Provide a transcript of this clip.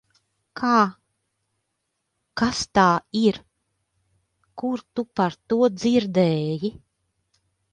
Kā? Kas tā ir? Kur tu par to dzirdēji?